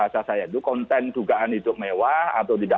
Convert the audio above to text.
saya memohon maaf kepada